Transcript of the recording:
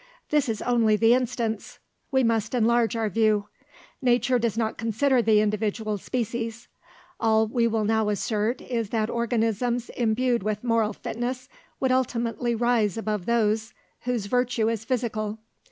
This is only the instance; we must enlarge our view. Nature does not consider the individual species. All we will now assert is that organisms imbued with moral fitness would ultimately rise above those whose virtue is physical.